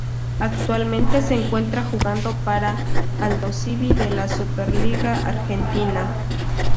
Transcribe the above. Actualmente se encuentra jugando para Aldosivi de la Superliga Argentina.